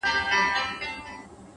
ساده فکر ژور سکون راولي’